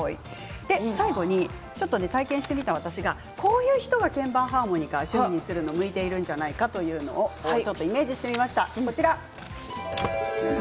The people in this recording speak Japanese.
最後に体験してみた私がこういう人が鍵盤ハーモニカを趣味にするのが向いてるんじゃないかとイメージしてみました。